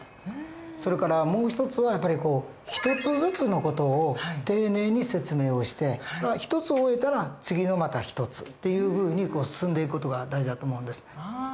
それからもう一つは一つずつの事を丁寧に説明をして一つを終えたら次のまた一つっていうふうに進んでいく事が大事だと思うんです。